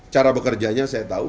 cara bekerjanya saya tahu